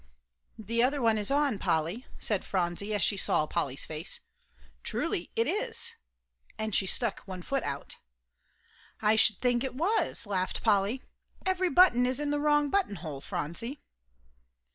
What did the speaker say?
"The other one is on, Polly," said Phronsie, as she saw Polly's face; "truly it is," and she stuck one foot out. "I sh'd think it was," laughed Polly; "every button is in the wrong button hole, Phronsie."